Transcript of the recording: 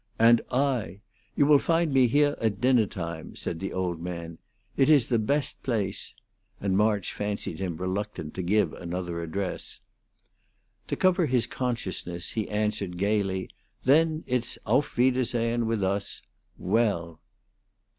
"And I. You will find me here at dinner time." said the old man. "It is the best place"; and March fancied him reluctant to give another address. To cover his consciousness he answered, gayly: "Then, it's 'auf wiedersehen' with us. Well!"